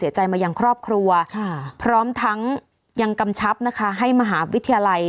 ใจมายังครอบครัวค่ะพร้อมทั้งยังกำชับนะคะให้มหาวิทยาลัย